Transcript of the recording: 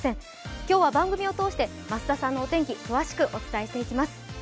今日は番組を通して、増田さんのお天気、詳しくお伝えします。